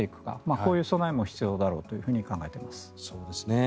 こういう備えも必要だろうと考えています。